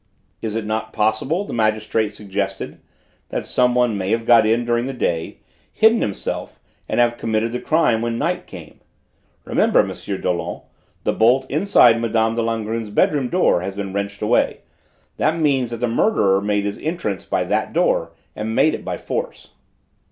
"Is it not possible," the magistrate suggested, "that someone may have got in during the day, hidden himself, and have committed the crime when night came? Remember, M. Dollon, the bolt inside Mme. de Langrune's bedroom door has been wrenched away: that means that the murderer made his entrance by that door, and made it by force."